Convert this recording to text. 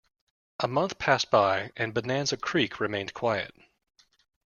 A month passed by, and Bonanza Creek remained quiet.